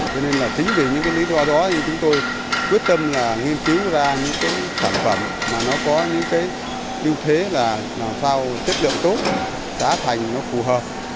cho nên là chính vì những cái lý do đó thì chúng tôi quyết tâm là nghiên cứu ra những cái sản phẩm mà nó có những cái ưu thế là làm sao chất lượng tốt giá thành nó phù hợp